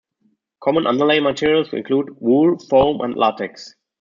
Common underlay materials include: Wool, foam, and latex.